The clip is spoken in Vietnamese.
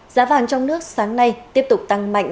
giá vàng trong nước sáng nay tiếp tục tăng mạnh